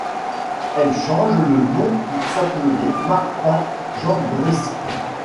Elle change de nom pour s'appeler Martha Jendretzky.